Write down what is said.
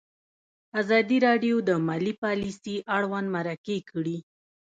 ازادي راډیو د مالي پالیسي اړوند مرکې کړي.